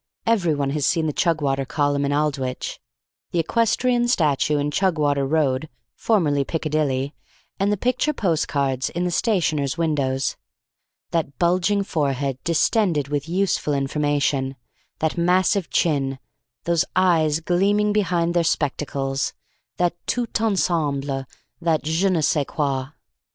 Everyone has seen the Chugwater Column in Aldwych, the equestrian statue in Chugwater Road (formerly Piccadilly), and the picture postcards in the stationers' windows. That bulging forehead, distended with useful information; that massive chin; those eyes, gleaming behind their spectacles; that tout ensemble; that je ne sais quoi.